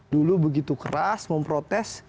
dulu begitu keras memprotes